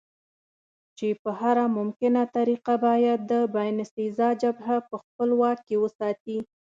چې په هره ممکنه طریقه باید د باینسېزا جبهه په خپل واک کې وساتي.